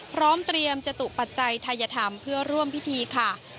พร้อมเตรียมจตุปัจจัยไทยธรรมเพื่อร่วมพิธีค่ะ